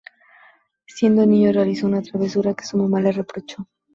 Siendo niño realizó una travesura que su mamá le reprochó.